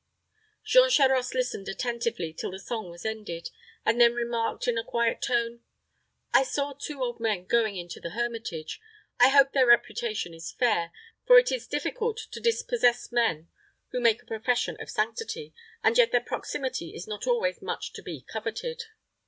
Jean Charost listened attentively till the song was ended, and then remarked, in a quiet tone, "I saw two old men going into the hermitage. I hope their reputation is fair; for it is difficult to dispossess men who make a profession of sanctity; and yet their proximity is not always much to be coveted."